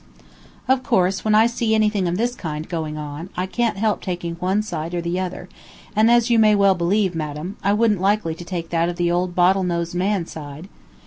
Of course, when I see anything of this kind going on, I can't help taking one side or the other, and as you may well believe, madam, I wouldn't be likely to take that of the old bottle nosed man's side.